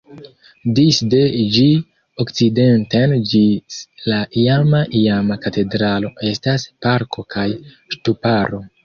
Disde ĝi okcidenten ĝis la iama iama katedralo estas parko kaj ŝtuparo.